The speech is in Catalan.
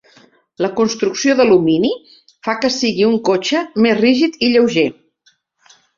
La construcció d'alumini fa que sigui un cotxe més rígid i lleuger.